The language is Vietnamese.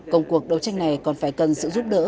công cuộc đấu tranh này còn phải cần sự giúp đỡ